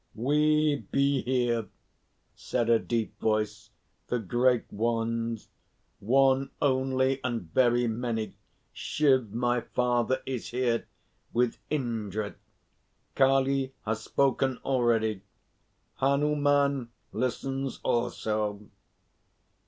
"We be here," said a deep voice, "the Great Ones. One only and very many. Shiv, my father, is here, with Indra. Kali has spoken already. Hanuman listens also."